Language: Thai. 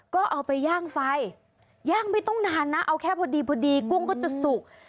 ก็เอาไปย่างไฟย่างไม่ต้องนานนะเอาแค่พอดีพอดีกุ้งก็จะสุก